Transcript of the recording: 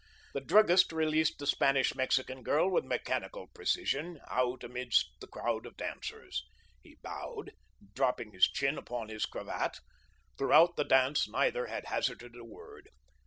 The druggist released the Spanish Mexican girl with mechanical precision out amidst the crowd of dancers. He bowed, dropping his chin upon his cravat; throughout the dance neither had hazarded a word.